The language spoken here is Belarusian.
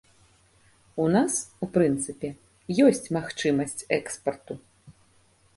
У нас, у прынцыпе, ёсць магчымасць экспарту.